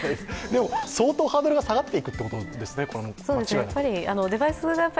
でも相当ハードルが下がっていくということですね、間違いなく。